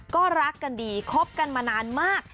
ก็รักกันดีคบกันมานานมาก